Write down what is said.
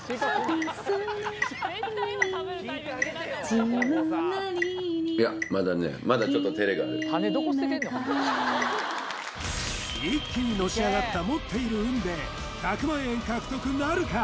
自分なりにいやまだねまだちょっとテレがある決めた一気にのし上がった持っている運で１００万円獲得なるか？